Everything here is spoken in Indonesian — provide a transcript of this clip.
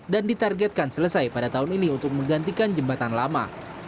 dan ditargetkan selesai pada tahun ini untuk menggantikan jembatan lama